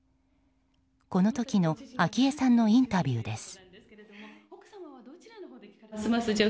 この時の昭恵さんのインタビューです。